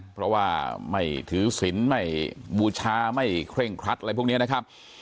เพราะว่าไม่ถือศิลป์ไม่บูชาไม่เคร่งครัดอะไรพวกนี้นะครับ